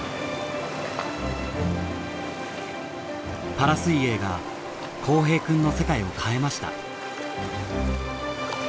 パラ水泳が幸平くんの世界を変えました。